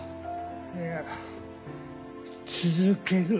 いや続ける。